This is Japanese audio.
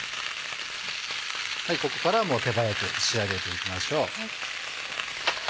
ここからはもう手早く仕上げていきましょう。